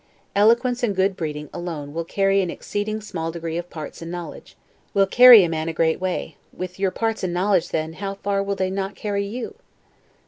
Eloquence and good breeding, alone, with an exceeding small degree of parts and knowledge, will carry a man a great way; with your parts and knowledge, then, how far will they not carry you?